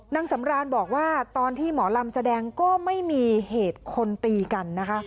นางสำรานบอกว่าตอนที่หมอลำแสดงก็ไม่มีเหตุคนตีกันนะคะ